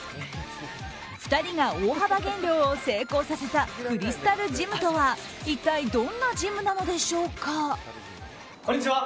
２人が大幅減量を成功させたクリスタルジムとは一体どんなジムなのでしょうか。